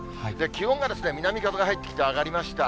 気温が、南風が入ってきて上がりました。